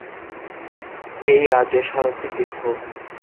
এই রাজ্য সড়কটি দীর্ঘ।